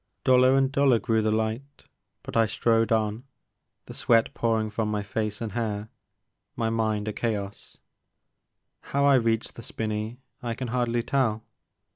Duller and duller grew the 2 8 The Maker of Moons. light, but I strode on, the sweat pouring from my face and hair, my mind a chaos. How I reached the spinney I can hardly tell.